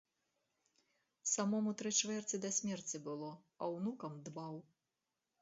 Самому тры чвэрці да смерці было, а ўнукам дбаў.